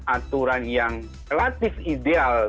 aturan yang relatif ideal